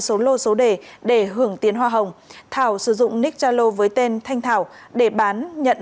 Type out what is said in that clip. số lô số đề để hưởng tiền hoa hồng thảo sử dụng nick zalo với tên thanh thảo để bán nhận